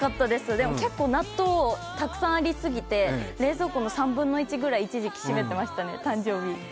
でも結構、納豆、たくさんあり過ぎて冷蔵庫の３分の１ぐらい一時期占めてましたね。